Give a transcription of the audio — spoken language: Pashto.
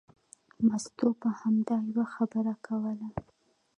مستو به همدا یوه خبره کوله.